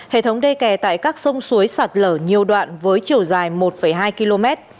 hệ thống đê kè tại các sông suối sạt lở nhiều đoạn với chiều dài một hai km